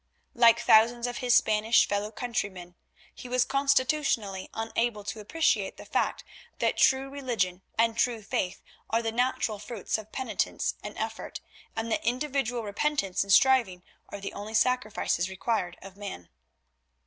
Like thousands of his Spanish fellow countrymen, he was constitutionally unable to appreciate the fact that true religion and true faith are the natural fruits of penitence and effort, and that individual repentance and striving are the only sacrifices required of man.